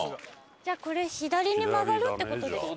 じゃあこれ左に曲がるって事ですか？